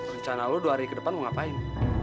rencana lo dua hari ke depan mau ngapain